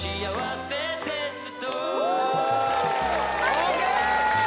ＯＫ